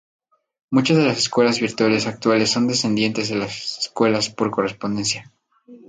Muchas de las escuelas virtuales actuales son descendientes de las escuelas por correspondencia.